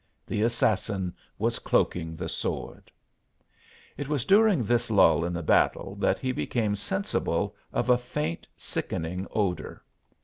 The Assassin was cloaking the sword. It was during this lull in the battle that he became sensible of a faint, sickening odor.